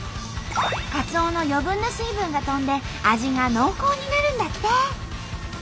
カツオの余分な水分が飛んで味が濃厚になるんだって！